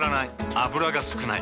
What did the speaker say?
油が少ない。